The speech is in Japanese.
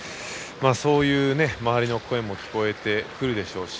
そういう周りの声も聞こえてくるでしょうし。